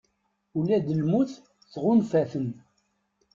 Ula d lmut tɣunfa-ten